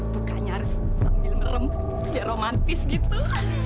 bukannya harus sambil ngerem biar romantis gitu